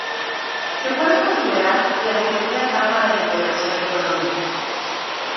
Se puede considerar la segunda etapa de la integración económica.